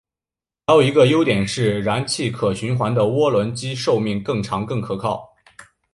还有一个优点是燃气循环的涡轮机寿命更长更可靠。